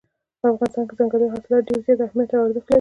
په افغانستان کې ځنګلي حاصلات ډېر زیات اهمیت او ارزښت لري.